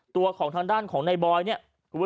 ตัวของทางด้านของในบอยเนี่ย